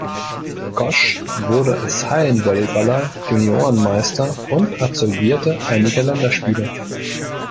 Gosch wurde als Hallen-Volleyballer Juniorenmeister und absolvierte einige Länderspiele.